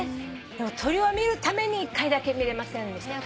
でも鳥を見るために１回だけ見れませんでした。